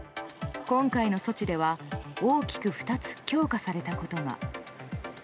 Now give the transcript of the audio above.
今回の措置では大きく２つ強化されたことが。